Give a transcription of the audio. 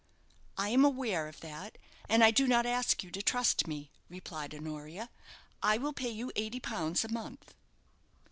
"I am aware of that, and I do not ask you to trust me," replied Honoria. "I will pay you eighty pounds a month."